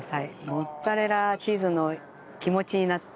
モッツァレラチーズの気持ちになって。